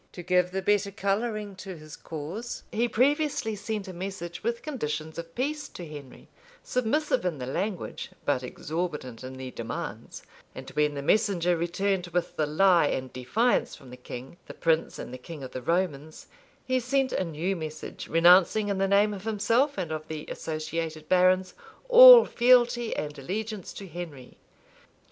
To give the better coloring to his cause, he previously sent a message with conditions of peace to Henry, submissive in the language, but exorbitant in the demands;[*] and when the messenger returned with the lie and defiance from the king, the prince, and the king of the Romans, he sent a new message, renouncing, in the name of himself and of the associated barons, all fealty and allegiance to Henry.